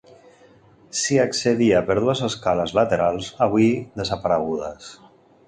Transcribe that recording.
S'hi accedia per dues escales laterals avui desaparegudes.